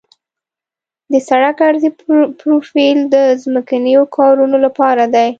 د سړک عرضي پروفیل د ځمکنیو کارونو لپاره دی